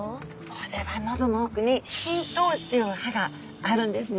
これは喉の奥に咽頭歯という歯があるんですね。